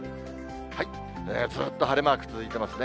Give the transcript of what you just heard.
ずっと晴れマーク続いてますね。